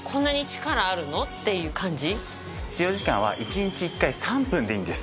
使用時間は１日１回３分でいいんです。